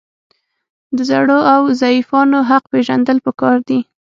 د زړو او ضعیفانو حق پیژندل پکار دي.